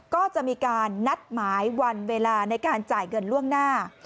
ก็จะมีการนัดหมายวันเวลาในการจ่ายเงินล่วงหน้า